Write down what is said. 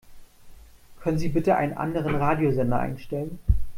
Können Sie bitte einen anderen Radiosender einstellen?